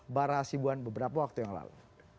barahasibuan beberapa waktu yang lalu